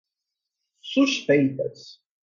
suspeitas